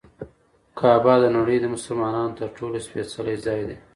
کعبه د نړۍ د مسلمانانو تر ټولو سپېڅلی ځای دی.